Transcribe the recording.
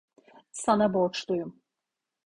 Sana borçluyum.